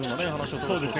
そうですね。